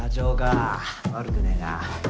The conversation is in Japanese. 悪くねえな。